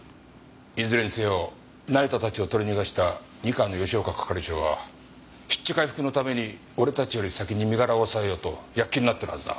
いずれにせよ成田たちを取り逃がした二課の吉岡係長は失地回復のために俺たちより先に身柄を押さえようと躍起になってるはずだ。